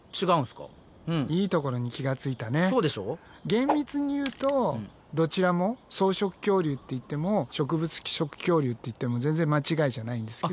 厳密に言うとどちらも草食恐竜って言っても植物食恐竜って言っても全然間違いじゃないんですけど。